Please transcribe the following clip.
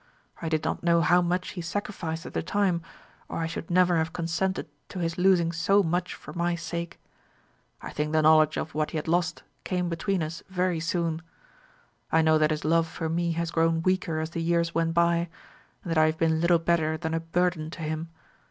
I did not know how much he sacrificed at the time, or I should never have consented to his losing so much for my sake. I think the knowledge of what he had lost came between us very soon. I know that his love for me has grown weaker as the years went by, and that I have been little better than a burden to him.